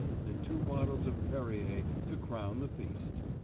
and two bottles of Perrier to crown the feast.